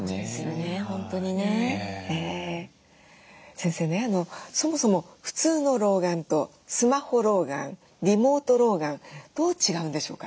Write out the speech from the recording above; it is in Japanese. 先生ねそもそも普通の老眼とスマホ老眼リモート老眼どう違うんでしょうか？